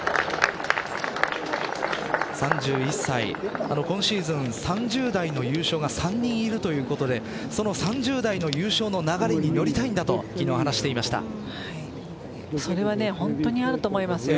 ３１歳今シーズン３０代の優勝が３人いるということでその３０代の優勝の流れに乗りたいんだとそれは本当にあると思います。